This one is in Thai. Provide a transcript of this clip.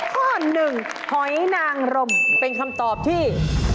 ตอบมาแล้วนะคะข้อ๑ข้นางรมเป็นคำตอบที่